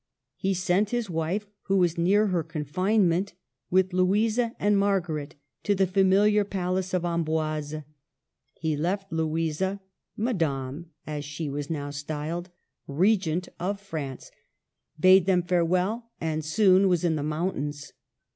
He sent his wife, who was near her confinement, with Louisa and Margaret, to the familiar palace of Amboise. He left Louisa —" Madame " as she l^HE YOUNG KING AND HIS RIVALS. 3/ was now styled — Regent of France, bade them farewell, and soon was in the mountains.